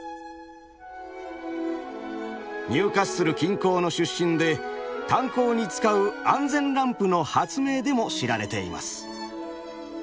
ニューカッスル近郊の出身で炭鉱に使う安全ランプの発明でも知られています。